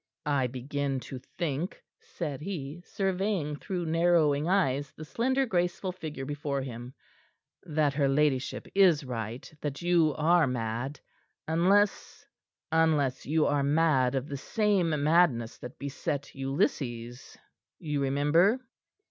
"I begin to think," said he, surveying through narrowing eyes the slender graceful figure before him, "that her ladyship is right that you are mad; unless unless you are mad of the same madness that beset Ulysses. You remember?"